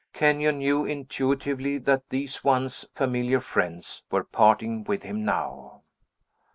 Kenyon knew intuitively that these once familiar friends were parting with him now.